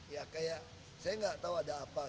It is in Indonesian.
ya kayak saya nggak tahu ada apa